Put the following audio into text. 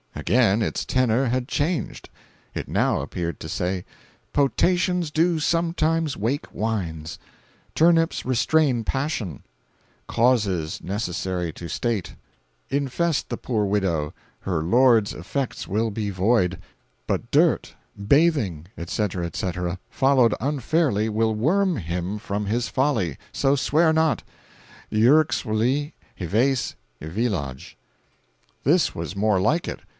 Again its tenor had changed. It now appeared to say: "Potations do sometimes wake wines; turnips restrain passion; causes necessary to state. Infest the poor widow; her lord's effects will be void. But dirt, bathing, etc., etc., followed unfairly, will worm him from his folly—so swear not. Yrxwly, HEVACE EVEELOJ.' "This was more like it.